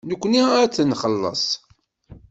Nekkni ad t-nxelleṣ.